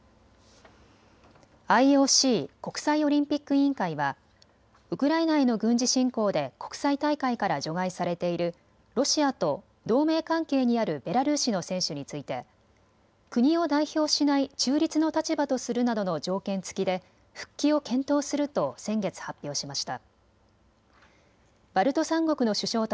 ＩＯＣ・国際オリンピック委員会はウクライナへの軍事侵攻で国際大会から除外されているロシアと同盟関係にあるベラルーシの選手について国を代表しない中立の立場とするなどの条件付きで復帰を検討すると先月、発表しました。